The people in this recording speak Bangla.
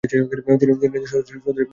তিনি সদস্য পদ ত্যাগ করেন ।